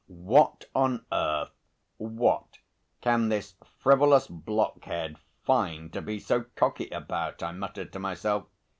"What on earth, what, can this frivolous blockhead find to be so cocky about?" I muttered to myself.